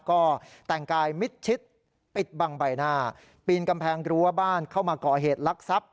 ก็แต่งกายมิดชิดปิดบังใบหน้าปีนกำแพงรั้วบ้านเข้ามาก่อเหตุลักษัพ